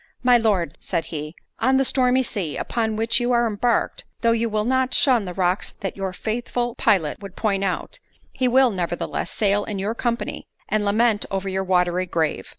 "My Lord," said he, "on the stormy sea, upon which you are embarked, though you will not shun the rocks that your faithful pilot would point out, he will, nevertheless, sail in your company, and lament over your watery grave.